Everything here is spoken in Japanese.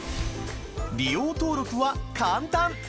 利用登録は簡単。